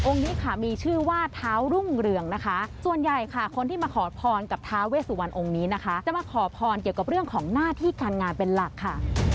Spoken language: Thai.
นี้ค่ะมีชื่อว่าเท้ารุ่งเรืองนะคะส่วนใหญ่ค่ะคนที่มาขอพรกับท้าเวสุวรรณองค์นี้นะคะจะมาขอพรเกี่ยวกับเรื่องของหน้าที่การงานเป็นหลักค่ะ